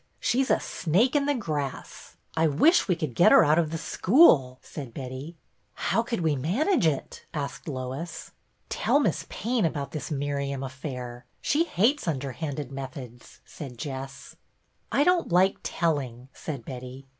She 's a snake in the grass. I wish we could get her out of the school," said Betty. " How could we manage it ?" asked Lois. " Tell Miss Payne about this Miriam affair. She hates underhanded methods," said Jess. "I don't like telling," said Betty.